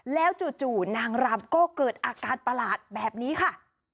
แล้วจู่นางรำก็เกิดอาการประหลาดแบบนี้ค่ะ